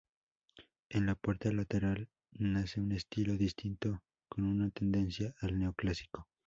En la puerta lateral nace un estilo distinto, con una tendencia al neoclásico.